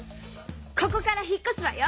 ここから引っこすわよ。